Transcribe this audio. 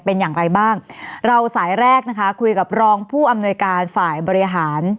เป็นอย่างไรบ้างเราสายแรกนะคะคุยกับรองผู้อำนวยการฝ่ายบริหาร